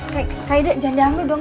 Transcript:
kayak kaya janda anggur dong